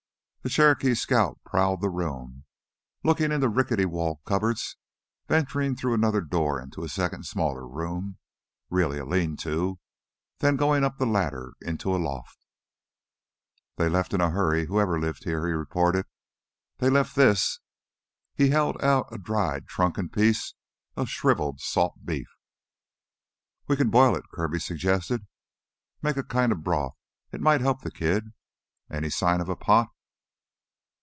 The Cherokee scout prowled the room, looking into the rickety wall cupboards, venturing through another door into a second smaller room, really a lean to, and then going up the ladder into a loft. "They left in a hurry, whoever lived here," he reported. "They left this " He held out a dried, shrunken piece of shriveled salt beef. "We can boil it," Kirby suggested. "Make a kinda broth; it might help the kid. Any sign of a pot